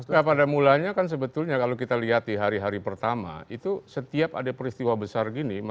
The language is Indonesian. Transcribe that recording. nah pada mulanya kan sebetulnya kalau kita lihat di hari hari pertama itu setiap ada peristiwa besar gini